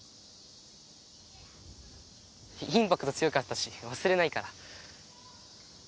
インパクト強かったし忘れないから。